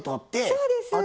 そうです。